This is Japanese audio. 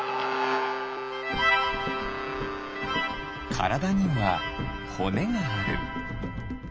からだにはほねがある。